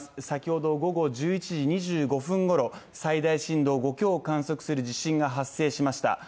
先ほど午後１１時２５分ごろ、最大震度５強を観測する地震が発生しました。